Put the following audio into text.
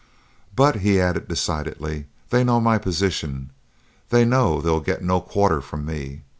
But," he added, decidedly, "they know my position; they know they'll get no quarter from me.